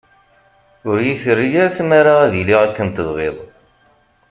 Ur iyi-terri ara tmara ad iliɣ akken tebɣiḍ.